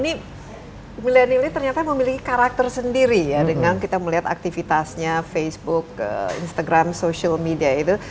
ini milenial ini ternyata memiliki karakter sendiri ya dengan kita melihat aktivitasnya facebook instagram social media itu